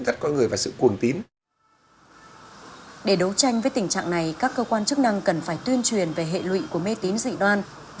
và có sự mê tín dị đoan các cơ quan chức năng cần phải tuyên truyền về hệ lụy của mê tín dị đoan